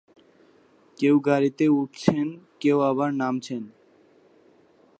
কেউ গাড়িতে উঠছেন, কেউ আবার নামছেন।